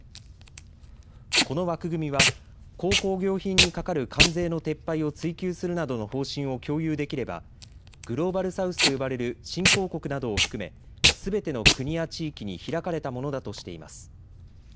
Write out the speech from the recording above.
この枠組みは鉱工業品にかかる関税の撤廃を追求するなどの方針を共有できればグローバル・サウスと呼ばれる新興国などを含めすべての国や地域に開かれたものだとしています。